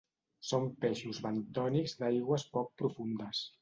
Són peixos bentònics d'aigües poc profundes.